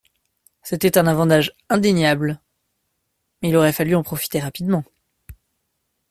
C’était un avantage indéniable, mais il aurait fallu en profiter rapidement.